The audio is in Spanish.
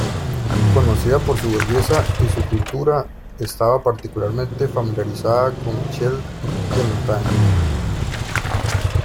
Conocida por su belleza y su cultura, estaba particularmente familiarizada con Michel de Montaigne.